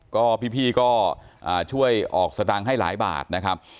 ก็พี่ก็ช่วยออกสตางค์ให้หลายบาทนะครับ